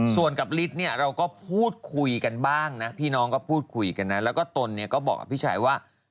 ส่วนกับฤทธิ์เนี่ยเราก็พูดคุยกันบ้างนะพี่น้องก็พูดคุยกันนะแล้วก็ตนเนี่ยก็บอกกับพี่ชายว่า